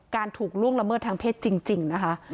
ถูกล่วงละเมิดทางเพศจริงนะคะ